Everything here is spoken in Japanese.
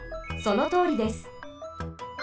そのとおりです。